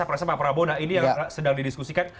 pak prabowo ini yang sedang didiskusikan